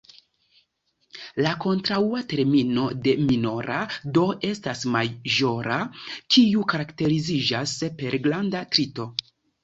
La kontraŭa termino de "minora" do estas "maĵora", kiu karakteriziĝas per granda trito.